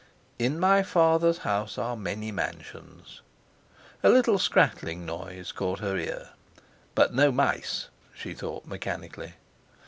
_ "In my Father's house are many mansions—"A little scrattling noise caught her ear—"but no mice!" she thought mechanically.